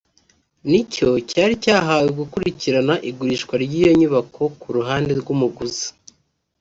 nicyo cyari cyahawe gukurikirana igurishwa ry’iyo nyubako ku ruhande rw’umuguzi